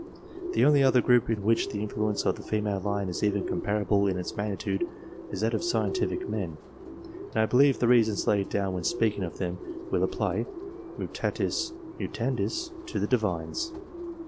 The only other group in which the influence of the female line is even comparable in its magnitude, is that of scientific men ; and I believe the reasons laid down when speaking of them, will apply, mictatis mutandis, to the Divines.